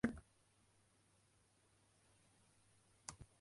Eric Heisserer is to be an executive producer.